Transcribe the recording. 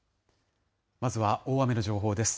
まずは大雨の情報です。